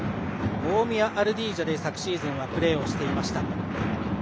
大宮アルディージャで昨シーズンはプレーしていました。